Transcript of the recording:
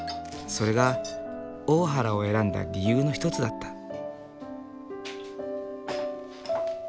それが大原を選んだ理由の１つだった。